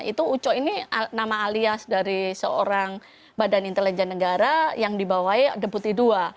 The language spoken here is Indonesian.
itu uco ini nama alias dari seorang badan intelijen negara yang dibawahi deputi ii